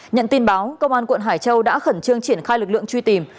nhận tin báo công an quận hải châu đã khẩn trương triển khai lực lượng truy tìm